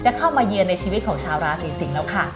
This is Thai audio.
เข้ามาเยือนในชีวิตของชาวราศีสิงศ์แล้วค่ะ